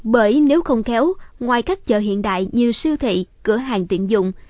bởi nếu không khéo ngoài các chợ hiện đại như siêu thị cửa hàng tiện dụng